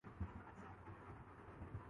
اخبارات نے اسے غدارقرار دے دیاہے